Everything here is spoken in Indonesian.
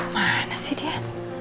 mana sih dia